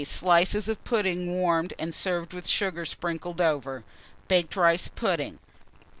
Slices of pudding warmed, and served with sugar sprinkled over. Baked rice pudding.